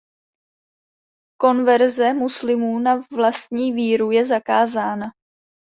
Konverze muslimů na vlastní víru je zakázána.